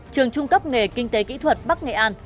công cấp nghề kinh tế kỹ thuật bắc nghệ an